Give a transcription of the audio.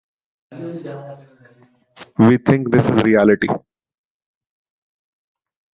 We think this is reality.